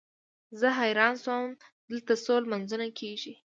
زه حیران شوم چې دلته څو لمونځونه کېږي.